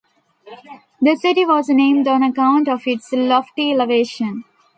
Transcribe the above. The city was named on account of its lofty elevation.